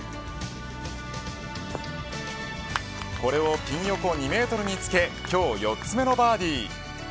これをピン横２メートルにつけ今日４つ目のバーディー。